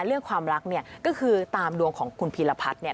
เรื่องความรักเนี่ยก็คือตามดวงของคุณพีรพัฒน์เนี่ย